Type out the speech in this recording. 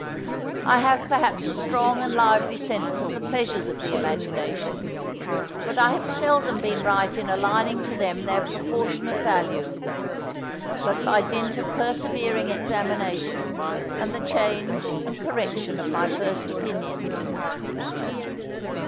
I have perhaps a strong and lively sense of the pleasures of the imagination; but I have seldom been right in aligning to them their proportionate value, but by dint of persevering examination, and the change and correction of my first opinions.